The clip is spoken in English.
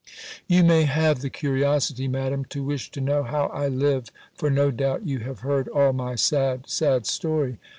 "You may have the curiosity, Madam, to wish to know how I live: for no doubt you have heard all my sad, sad story!